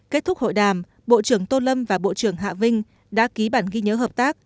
kết thúc hội đàm bộ trưởng tô lâm và bộ trưởng hạ vinh đã ký bản ghi nhớ hợp tác